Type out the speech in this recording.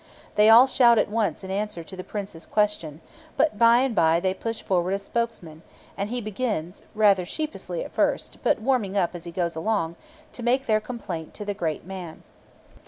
They all shout at once in answer to the Prince's question; but by and by they push forward a spokesman, and he begins, rather sheepishly at first, but warming up as he goes along, to make their complaint to the great man.